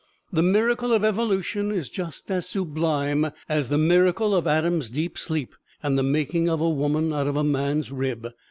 The miracle of evolution is just as sublime as the miracle of Adam's deep sleep and the making of a woman out of a man's rib.